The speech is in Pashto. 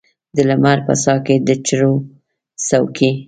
د لمر په ساه کې د چړو څوکې